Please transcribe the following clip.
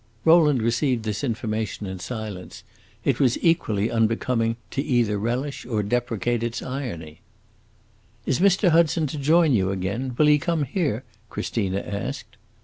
Rowland received this information in silence; it was equally unbecoming to either relish or deprecate its irony. "Is Mr. Hudson to join you again? Will he come here?" Christina asked.